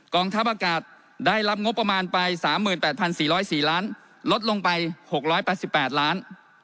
ทัพอากาศได้รับงบประมาณไป๓๘๔๐๔ล้านลดลงไป๖๘๘ล้าน